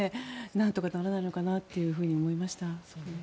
なんとかならないのかなというふうに思いました。